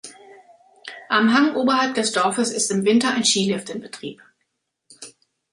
Am Hang oberhalb des Dorfes ist im Winter ein Skilift in Betrieb.